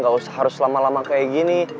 gak usah harus lama lama kayak gini